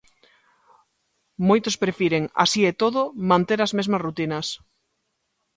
Moitos prefiren, así e todo, manter as mesmas rutinas.